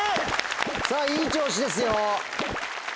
いい調子ですよ。